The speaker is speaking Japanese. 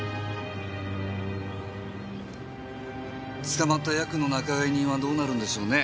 捕まったヤクの仲買人はどうなるんでしょうね？